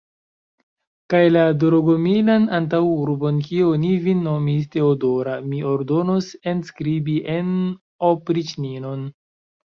Kaj la Dorogomilan antaŭurbon, kie oni vin nomis Teodora, mi ordonos enskribi en opriĉninon!